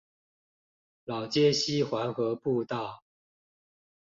老街溪環河步道